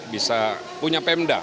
bisa punya pemda